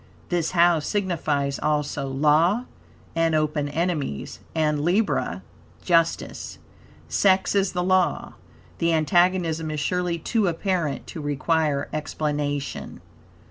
This house signifies, also, law, and open enemies, and (Libra) justice. Sex is the law. The antagonism is surely too apparent to require explanation.